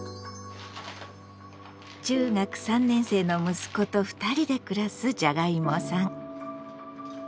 中学３年生の息子と２人で暮らすじゃがいもさん。